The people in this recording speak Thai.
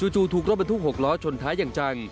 จู่ถูกรอบไปทุกหกล้อชนท้ายังจัง